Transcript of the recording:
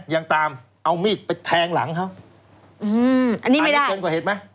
ยังตามเอามีดไปแทงหลังเขาอืมอันนี้เกินกว่าเหตุไหม